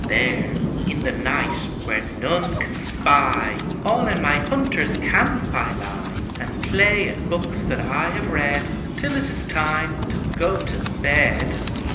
There, in the night, where none can spy, All in my hunter's camp I lie, And play at books that I have read Till it is time to go to bed.